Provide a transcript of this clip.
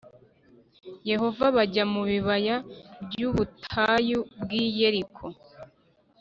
Yehova bajya mu bibaya by’ubutayu bw’i Yeriko